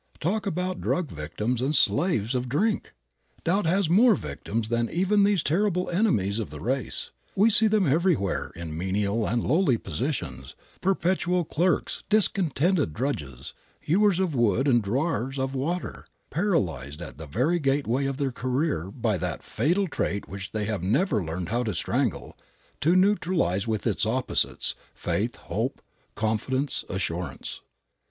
Talk about drug victims and slaves of drink! Doubt has more victims than even these terrible enemies of the race. We see them everywhere in menial and lowly positions, perpetual clerks, discontented drudges, hewers of wood and drawers of water, paralyzed at the very gateway of their career by that fatal trait which they have never learned how to strangle, to neutralize with its opposites, faith, hope, confidence, assurance.